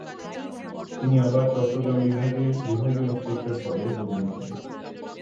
তিনি আবার চট্টগ্রাম বিভাগের বিভাগীয় ইন্সপেক্টর পদে বদলী হন।